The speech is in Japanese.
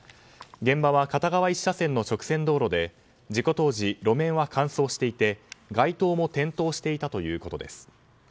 現場は片側１車線の直線道路で事故当時、路面は乾燥していて街灯も点灯していたということです。